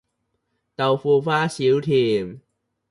豆腐花少甜